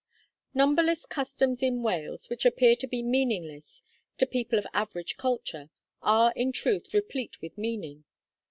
I. Numberless customs in Wales which appear to be meaningless, to people of average culture, are in truth replete with meaning.